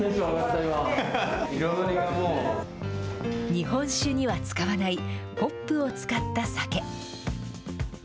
日本酒には使わないホップを使った酒。